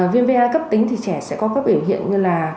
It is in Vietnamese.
viêm va cấp tính thì trẻ sẽ có các biểu hiện như là